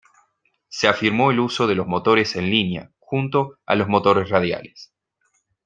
Se afirmó el uso de los motores en línea, junto a los motores radiales.